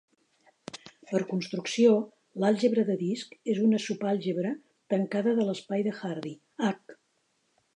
Per construcció, l'àlgebra de disc és una subalgebra tancada de l'espai de Hardy "H".